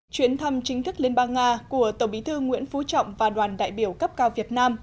chuyến thăm chính thức liên bang nga của tổng bí thư nguyễn phú trọng và đoàn đại biểu cấp cao việt nam